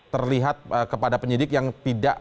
terlihat kepada penyidik yang tidak